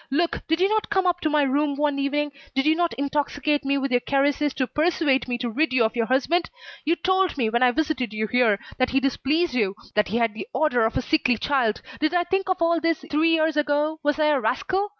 Look, did you not come up to my room one evening, did you not intoxicate me with your caresses to persuade me to rid you of your husband? You told me, when I visited you here, that he displeased you, that he had the odour of a sickly child. Did I think of all this three years ago? Was I a rascal?